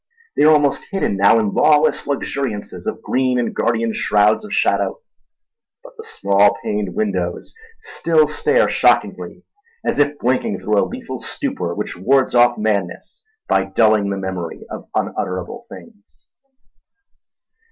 They are almost hidden now in lawless luxuriances of green and guardian shrouds of shadow; but the small paned windows still stare shockingly, as if blinking through a lethal stupor which wards off madness by dulling the memory of unutterable things.